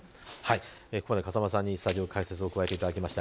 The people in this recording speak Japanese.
ここまで風間さんにスタジオ解説を加えていただきました。